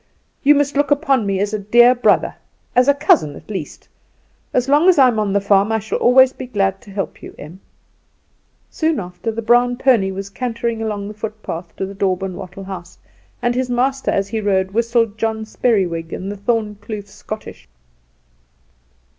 "You must look upon me as a dear brother, as a cousin at least; as long as I am on the farm I shall always be glad to help you, Em." Soon after the brown pony was cantering along the footpath to the daub and wattle house, and his master as he rode whistled John Speriwig and the Thorn Kloof Schottische.